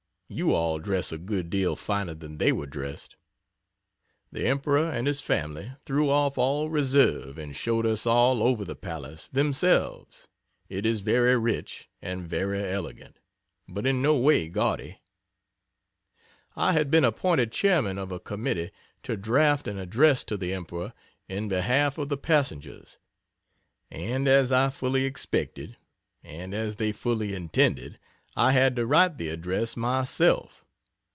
You all dress a good deal finer than they were dressed. The Emperor and his family threw off all reserve and showed us all over the palace themselves. It is very rich and very elegant, but in no way gaudy. I had been appointed chairman of a committee to draught an address to the Emperor in behalf of the passengers, and as I fully expected, and as they fully intended, I had to write the address myself.